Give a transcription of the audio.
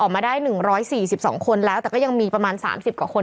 มาได้๑๔๒คนแล้วแต่ก็ยังมีประมาณ๓๐กว่าคน